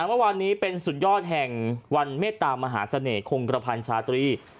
เมื่อวานนี้เป็นสุดยอดแห่งวันเมตตามหาเสน่หงกระพันชาตรี